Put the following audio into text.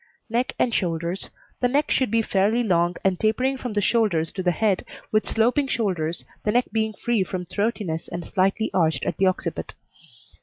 NECK AND SHOULDERS The neck should be fairly long and tapering from the shoulders to the head, with sloping shoulders, the neck being free from throatiness and slightly arched at the occiput.